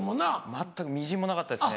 全くみじんもなかったですね。